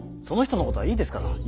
その人のことはいいですから。